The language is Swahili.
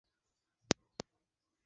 na changamoto za kifedha kwa wakenya wote